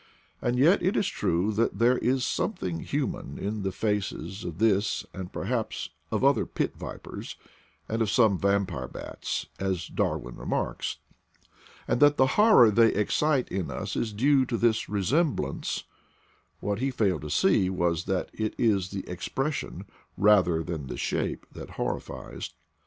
And yet it is true that there is something human in the faces of this and per haps of other pit vipers, and of some vampire bats, as Darwin remarks; and that the horror they 28 IDLE DAYS IN PATAGONIA excite in us is due to this resemblance; what he failed to see was that it is the expression rather than the shape that horrifies.